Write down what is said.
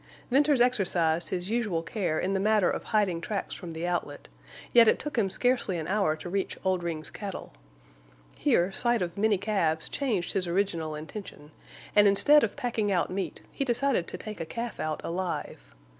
Venters exercised his usual care in the matter of hiding tracks from the outlet, yet it took him scarcely an hour to reach Oldring's cattle. Here sight of many calves changed his original intention, and instead of packing out meat he decided to take a calf out alive.